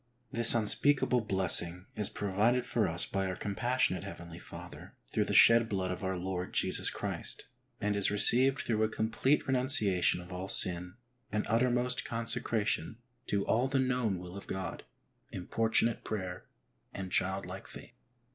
This unspeakable blessing is provided for us by our compassionate heavenly Father through the shed blood of our Lord Jesus Christ, and is received through a complete renunciation of all sin, an uttermost consecration to all the known will of God, importunate prayer, and child like faith.